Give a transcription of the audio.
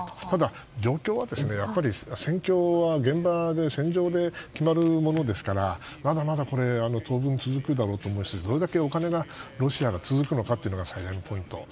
ただ、状況は戦況は現場で戦場で決まるものですからまだまだ当分続くだろうと思うしどれだけお金がロシアが続くのかが最大のポイント。